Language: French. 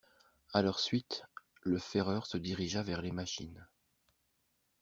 A leur suite, le ferreur se dirigea vers les machines.